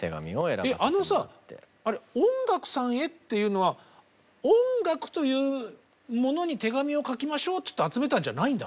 あのさあれ「音楽さんへ」っていうのは音楽というものに手紙を書きましょうって集めたんじゃないんだ。